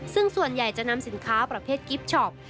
ซึ่งส่วนใหญ่จะนำสินค้าประเภทกิฟต์ช็อป